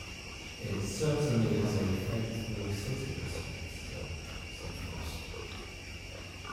"It certainly has a faintly sooty aspect, sir," said Frost.